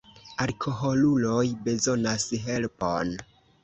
Alkoholuloj bezonas helpon.